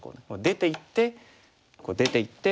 出ていって出ていって。